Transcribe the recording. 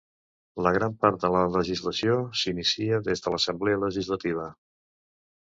La gran part de la legislació s'inicia des de l'Assemblea Legislativa.